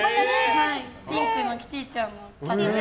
ピンクのキティちゃんの。